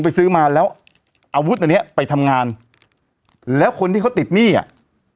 ไปซื้อมาแล้วอาวุธอันเนี้ยไปทำงานแล้วคนที่เขาติดหนี้อ่ะ